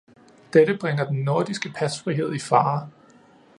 Dette bringer den nordiske pasfrihed i fare.